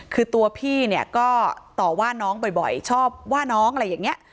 คือตัวพี่เนี่ยก็ต่อว่าน้องบ่อยชอบว่าน้องอะไรอย่างนี้